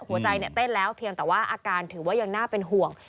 หัวใจเต้นแล้วเพียงแต่ว่าอาการถือว่ายังน่าเป็นห่วง